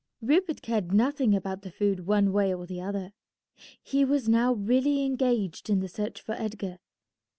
Rupert cared nothing about the food one way or the other. He was now really engaged in the search for Edgar.